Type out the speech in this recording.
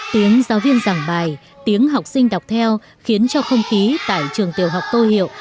tiếng giáo viên giảng bài tiếng học sinh đọc theo khiến cho không khí tại trường tiểu học tô hiệu